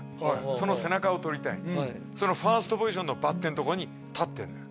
その背中を撮りたいそのファーストポジションのバッテンのところに立ってんのよ